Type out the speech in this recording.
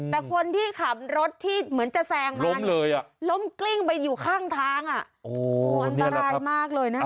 แต่คนที่ขับรถที่เหมือนจะแซงมาล้มเลยอ่ะล้มกลิ้งไปอยู่ข้างทางอ่ะโอ้นี่แหละครับสบายมากเลยนะครับ